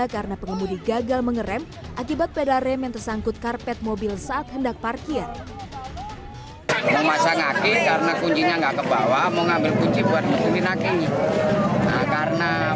karena pengemudi gagal mengeram akibat pedal rem yang tersangkut karpet mobil saat hendak parkir